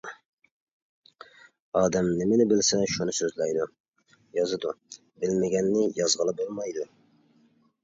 ئادەم نېمىنى بىلسە شۇنى سۆزلەيدۇ، يازىدۇ، بىلمىگەننى يازغىلى بولمايدۇ.